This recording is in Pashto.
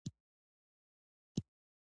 د کیمیاوي سرې واردات څومره دي؟